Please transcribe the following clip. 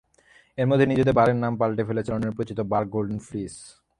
এর মধ্যে নিজেদের বারের নাম পাল্টে ফেলেছে লন্ডনের পরিচিত বার গোল্ডেন ফ্লিস।